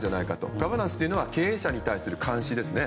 ガバナンスというのは経営者に対する監視です。